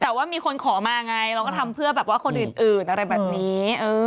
แต่ว่ามีคนขอมาอย่างไรแล้วก็ทำเพื่อคนอื่นอะไรแบบนี้